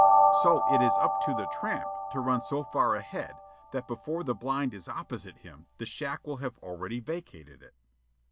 So it is up to the tramp to run so far ahead that before the blind is opposite him the shack will have already vacated it.